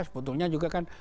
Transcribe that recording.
sebetulnya juga kan